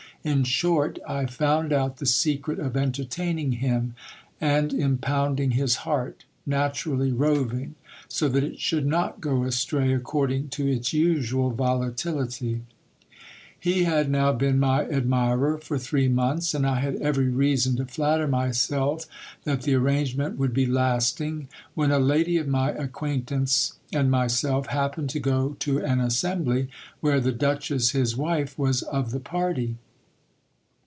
In short, I found out the secret of entertaining him, and impounding his heart, naturally roving, so that it should not go astray according to its usual volatility. He had now been my admirer for three months, and I had every reason to flatter myself that the arrangement would be lasting, when a lady of my ac quaintance and myself happened to go to an assembly, where the duchess his wife was of the party.